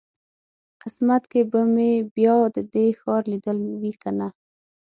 قسمت کې به مې بیا د دې ښار لیدل وي کنه.